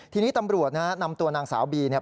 ทีนี้ตำรวจนะฮะนำตัวนางสาวบีเนี่ย